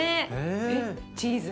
えっチーズ？